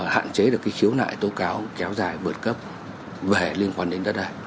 hạn chế được cái khiếu nại tố cáo kéo dài vượt cấp về liên quan đến đất đai